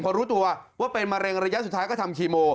พอรู้ตัวว่าเป็นมะเร็งระยะสุดท้ายก็ทำคีโม